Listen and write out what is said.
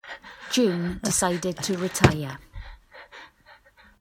June decided to retire.